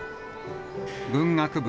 文学部